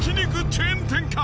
チェーン店か？